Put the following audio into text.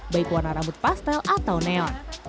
baik warna rambut pastel atau neon